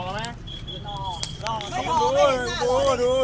รอดูดูดู